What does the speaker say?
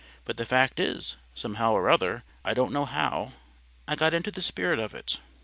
But the fact is, somehow or other, I don't know how, I got into the spirit of it."